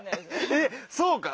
えっそうか。